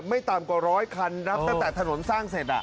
ไม่ต่ำกว่าร้อยคันนับตั้งแต่ถนนสร้างเสร็จ